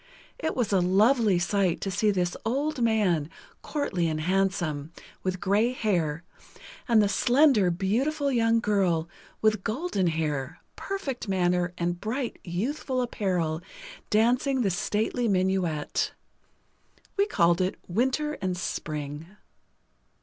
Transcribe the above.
It was a lovely sight to see this old man, courtly and handsome, with gray hair, and the slender, beautiful young girl, with golden hair, perfect manner and bright, youthful apparel, dancing the stately minuet. We called it "Winter and Spring."